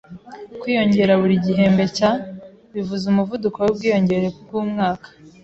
Kwiyongera buri gihembwe cya ,% bivuze umuvuduko wubwiyongere bwumwaka